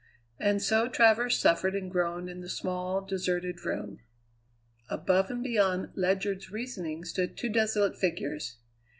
And so Travers suffered and groaned in the small, deserted room. Above and beyond Ledyard's reasoning stood two desolate figures.